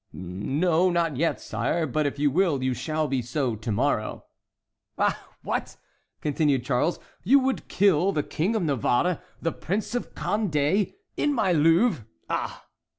"No, not yet, sire; but, if you will, you shall be so to morrow." "Ah—what!" continued Charles, "you would kill the King of Navarre, the Prince de Condé—in my Louvre—ah!"